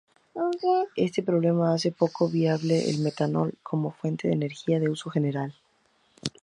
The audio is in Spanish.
Este problema hace poco viable al metanol como fuente de energía de uso general.